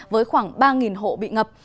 với khoảng ba hộ bị ngập